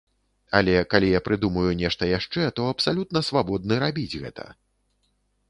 Але, калі я прыдумаю нешта яшчэ, то абсалютна свабодны рабіць гэта.